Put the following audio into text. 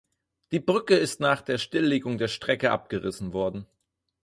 Die Brücke ist nach der Stilllegung der Strecke abgerissen worden.